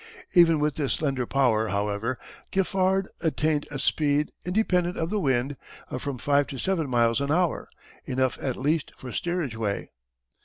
Even with this slender power, however, Giffard attained a speed, independent of the wind, of from five to seven miles an hour enough at least for steerage way.